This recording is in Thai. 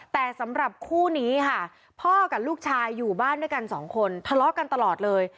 แต่สำหรับคู่นี้ค่ะพ่อกับลูกชายอยู่บ้านด้วยกันสองคนทะเลาะกันตลอดเลย